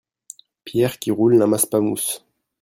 pierre qui roule n'amasse pas mousse.